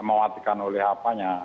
mematikan oleh apanya